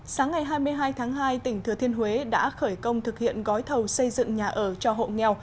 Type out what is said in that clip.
sáng ngày hai mươi hai tháng hai tỉnh thừa thiên huế đã khởi công thực hiện gói thầu xây dựng nhà ở cho hộ nghèo